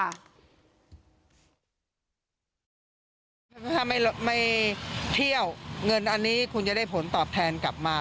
ถ้าไม่เที่ยวเงินอันนี้คุณจะได้ผลตอบแทนกลับมา